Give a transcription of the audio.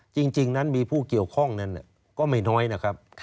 จริงมีผู้เกี่ยวข้องก็ไม่น้อยนะครับ